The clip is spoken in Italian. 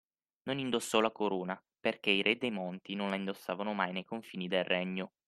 Non indossò la corona, perché i re dei Monti non la indossavano mai nei confini del Regno